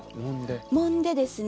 もんでですね